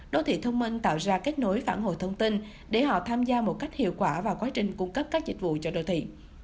đô thị thông minh tạo ra kết nối phản hồi thông tin để họ tham gia một cách hiệu quả vào quá trình cung cấp các dịch vụ cho đô thị